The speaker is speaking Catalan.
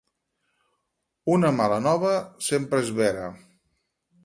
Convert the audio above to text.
Una mala nova sempre és vera.